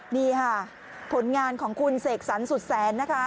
นี่ค่ะผลงานของคุณเสกสรรสุดแสนนะคะ